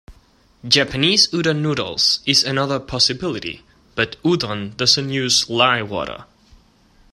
Japanese udon noodles is another possibility, but udon doesn't use lye water.